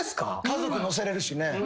家族乗せれるしね。